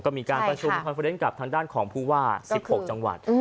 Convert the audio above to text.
ก็มีการประชุมคอนเฟอร์เนนต์กับทางด้านของผู้ว่า๑๖จังหวัด